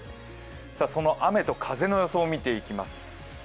その雨と風の予想を見ていきます。